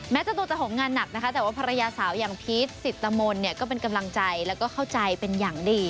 เจ้าตัวจะหงงานหนักนะคะแต่ว่าภรรยาสาวอย่างพีชสิตมนต์เนี่ยก็เป็นกำลังใจแล้วก็เข้าใจเป็นอย่างดี